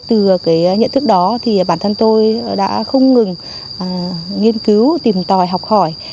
từ cái nhận thức đó thì bản thân tôi đã không ngừng nghiên cứu tìm tòi học hỏi